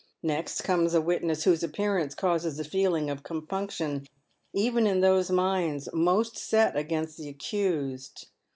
Next comes a witness whose appearance causes a feeling of compunction even in those minds most set against the accused.